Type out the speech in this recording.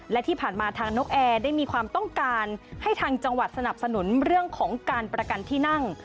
และที่ผ่านมาทางนกแอร์ได้มีความต้องการให้ทางจังหวัดสนับสนุนเรื่องของการประกันที่นั่ง